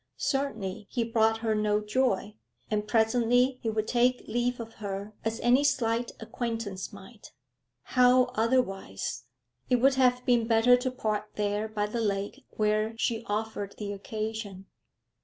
Certainly he brought her no joy, and presently he would take leave of her as any slight acquaintance might; how otherwise? It would have been better to part there by the lake where she offered the occasion.